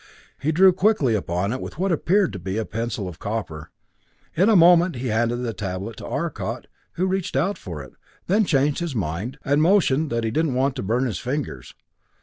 He drew quickly upon it with what appeared to be a pencil of copper. In a moment he handed the tablet to Arcot, who reached out for it, then changed his mind, and motioned that he didn't want to burn his fingers.